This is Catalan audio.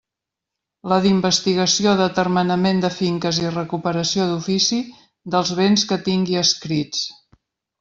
La d'investigació, d'atermenament de finques i recuperació d'ofici dels béns que tingui adscrits.